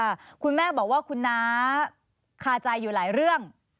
คุณแม่บอกว่าคุณน้าคาใจอยู่หลายเรื่อง